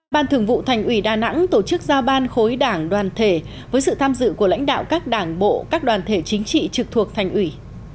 ban thường vụ thành ủy đà nẵng tổ chức giao ban khối đảng đoàn thể với sự tham dự của lãnh đạo các đảng bộ các đoàn thể chính trị trực thuộc thành ủy